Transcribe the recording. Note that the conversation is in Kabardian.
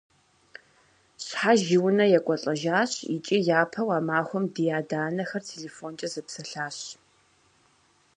Щхьэж и унэ екӀуэлӀэжащ, икӀи япэу а махуэм ди адэ-анэхэр телефонкӀэ зэпсэлъащ.